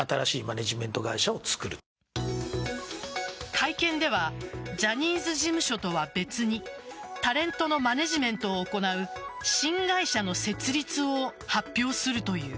会見ではジャニーズ事務所とは別にタレントのマネジメントを行う新会社の設立を発表するという。